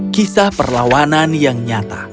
kisah perlawanan yang nyata